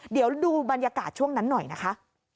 เดี๋ยวดูบรรยากาศช่วงนั้นหน่อยนะคะ